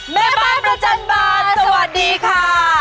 แม่บาลประจัดบอสสวัสดีค่ะ